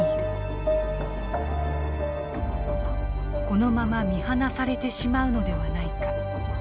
このまま見放されてしまうのではないか。